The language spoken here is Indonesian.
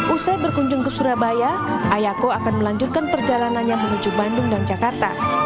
usai berkunjung ke surabaya ayako akan melanjutkan perjalanannya menuju bandung dan jakarta